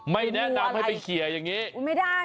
ไม่แนะนำให้เขียนอย่างนี้